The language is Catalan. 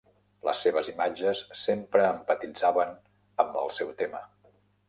Les seves imatges sempre empatitzaven amb el seu tema.